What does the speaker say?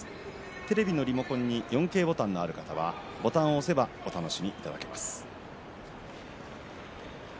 テレビのリモコンに４Ｋボタンのある方はボタンを押せばお楽しみいただけます。